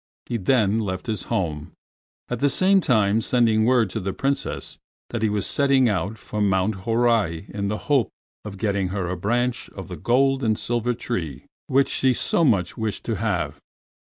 He then left his home, at the same time sending word to the Princess that he was setting out for Mount Horai in the hope of getting her a branch of the gold and silver tree which she so much wished to have.